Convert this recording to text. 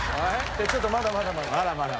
ちょっとまだまだ。